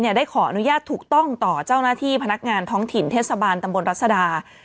ได้ขออนุญาตถูกต้องต่อเจ้าหน้าที่พนักงานท้องถิ่นเทศบาลตำบลรัศดา